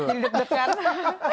aduh di duduk dudukkan